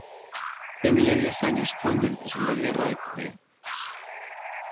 Tenía diez años cuando empezó la Guerra de Corea.